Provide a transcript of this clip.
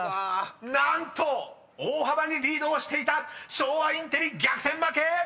［何と大幅にリードをしていた昭和インテリ逆転負け！］